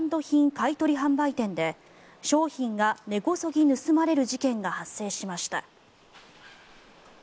買い取り販売店で商品が根こそぎ盗まれる事件が発生しました。